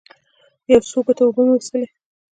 یو څو ګوټه اوبه مې وڅښلې.